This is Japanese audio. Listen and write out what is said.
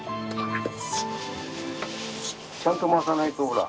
ちゃんと回さないとほら。